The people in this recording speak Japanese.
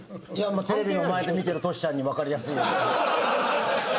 テレビの前で見てるトシちゃんにわかりやすいように。